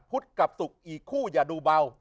กับศุกร์อีกคู่อย่าดูเบา